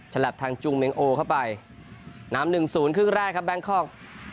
ชันแหลปทางจุงเมงโอเข้าไปนำหนึ่งศูนย์ครึ่งแรกครับแบงคอก